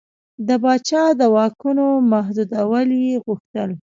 د پاچا د واکونو محدودول یې غوښتل.